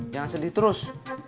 jangan sedih terus